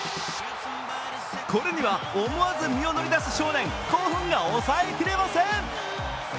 これには思わず身を乗り出す少年、興奮が抑えきれません。